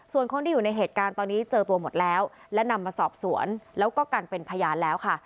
ส่วนคนที่อยู่ในเหตุการณ์ตอนนี้เจอตัวหมดแล้วและนำมาสอบสวนแล้วก็กันเป็นพยานแล้วค่ะ